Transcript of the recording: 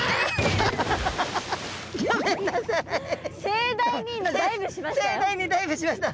盛大にダイブしました。